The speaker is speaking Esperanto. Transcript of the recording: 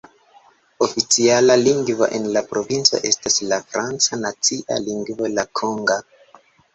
Oficiala lingvo en la provinco estas la franca, nacia lingvo la konga.